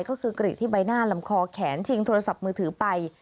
ก็คือกรีดที่ใบหน้าลำคอแขนชิงโทรศัพท์มือถือไป